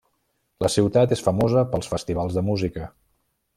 La ciutat és famosa pels festivals de música.